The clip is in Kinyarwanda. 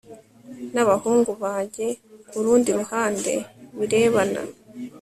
n'abahungu bajye ku rundi ruhande birebana